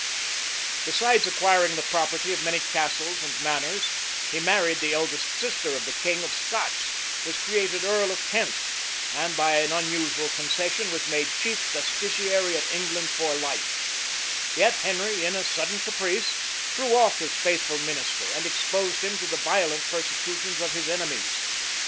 {1231.} Besides acquiring the property of many castles and manors, he married the eldest sister of the king of Scots, was created earl of Kent, and, by an unusual concession, was made chief justiciary of England for life; yet Henry, in a sudden caprice, threw off his faithful minister, and exposed him to the violent persecutions of his enemies.